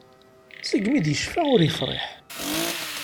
Segmi d-yecfa ur yefriḥ.